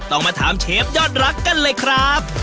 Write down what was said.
ต้องมาถามเชฟยอดรักกันเลยครับ